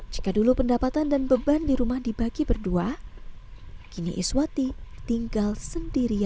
jika dulu pendapatan dan beban di rumah dibagi berdua kini iswati tinggal sendirian